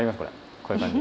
こういう感じ。